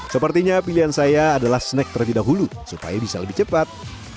sepertinya pilihan saya adalah snack terlebih dahulu supaya bisa lebih cepat